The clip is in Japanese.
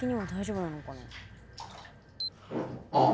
あ。